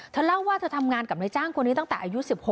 เล่าว่าเธอทำงานกับนายจ้างคนนี้ตั้งแต่อายุ๑๖